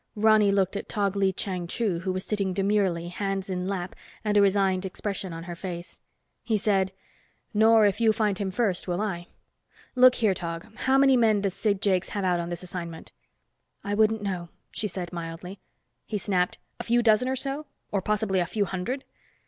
Ronny looked at Tog Lee Chang Chu who was sitting demurely, hands in lap, and a resigned expression on her face. He said, "Nor if you find him first, will I. Look here, Tog, how many men does Sid Jakes have out on this assignment?" "I wouldn't know," she said mildly. He snapped, "A few dozen or so? Or possibly a few hundred?"